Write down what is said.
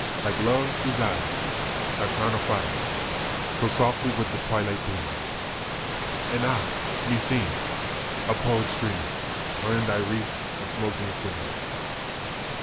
Like love's desire, thy crown of fire So softly with the twilight blending, And ah! meseems, a poet's dreams Are in thy wreaths of smoke ascending.